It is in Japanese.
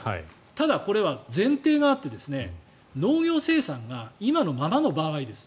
ただ、これは前提があって農業生産が今のままの場合です。